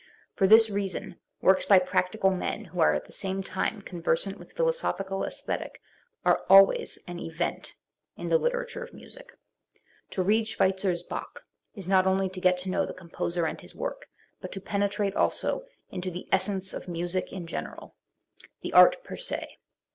For this reason works by practical men who arc at the same time conversant with philosophical aesthetic are always an event in the literature of music. To read Schweitzer's Bach is not only to get to know the composer and his woi k, but to penetrate also into the essence of music in general, the u art per se".